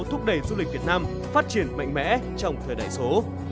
thúc đẩy du lịch việt nam phát triển mạnh mẽ trong thời đại số